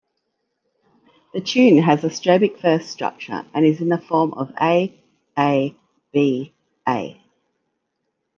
The tune has a strophic verse structure and is in the form A-A-B-A.